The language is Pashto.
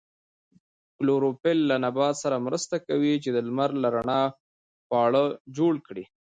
کلوروفیل له نبات سره مرسته کوي چې د لمر له رڼا خواړه جوړ کړي